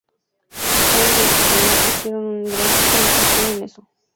Van Dyke y Brian hicieron una gran colaboración en eso.